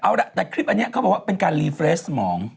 เอาล่ะแต่คลิปอันนี้เขาบอกว่าเป็นการรีเฟรสสมอง